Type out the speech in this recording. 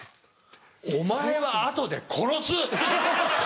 お前は後で殺す！